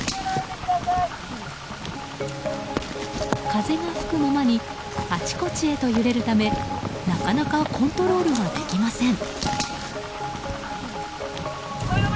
風が吹くままにあちこちへと揺れるためなかなかコントロールができません。